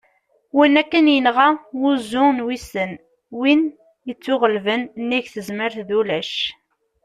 win akken yenɣa "wuzzu n wissen", win ittuɣellben : nnig tezmert d ulac